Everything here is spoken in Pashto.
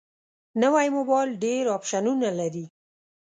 نوی موبایل ډېر اپشنونه لري